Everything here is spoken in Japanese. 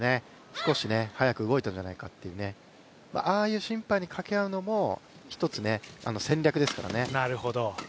少し早く動いたんじゃないかというああいう審判にかけ合うのも、一つ戦略ですからね。